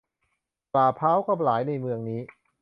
ป่าพร้าวก็หลายในเมืองนี้